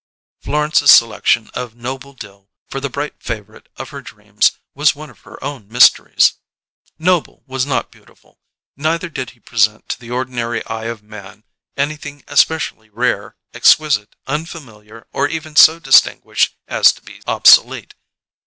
Florence's selection of Noble Dill for the bright favourite of her dreams was one of her own mysteries. Noble was not beautiful, neither did he present to the ordinary eye of man anything especially rare, exquisite, unfamiliar, or even so distinguished as to be obsolete.